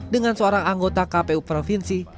dengan seorang anggota kpu provinsi